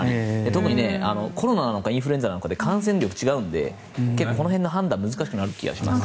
特にコロナなのかインフルエンザなのかで感染力が違うのでこの辺の判断が難しくなる気がします。